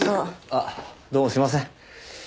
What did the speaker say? あっどうもすいません。